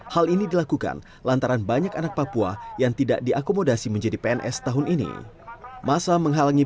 hal ini dilakukan lantaran banyak anak papua yang tidak diakomodasi menjadi pns tahun ini